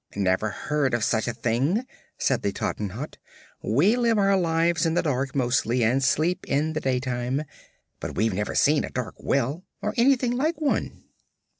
"Never heard of such a thing," said the Tottenhot. "We live our lives in the dark, mostly, and sleep in the daytime; but we've never seen a dark well, or anything like one."